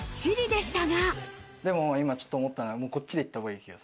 でも今ちょっと思ったのがこっちで行ったほうがいい気が。